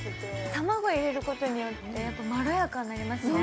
卵を入れることによってまろやかになりますね。